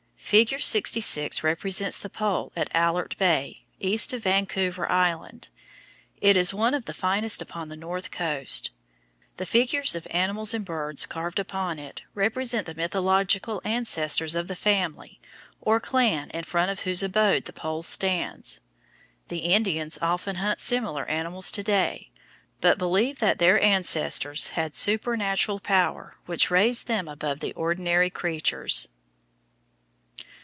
Figure 66 represents the pole at Alert Bay, east of Vancouver Island. It is one of the finest upon the north coast. The figures of animals and birds carved upon it represent the mythological ancestors of the family or clan in front of whose abode the pole stands. The Indians often hunt similar animals to day, but believe that their ancestors had supernatural power which raised them above the ordinary creatures.